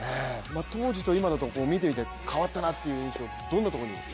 当時と今だと見ていて変わったなというところは。